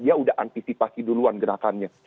dia sudah antisipasi duluan gerakannya